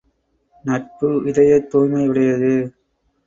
நட்பு இதயத் துய்மையுடையது.